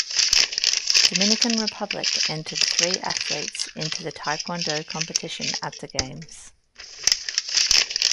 Dominican Republic entered three athletes into the taekwondo competition at the Games.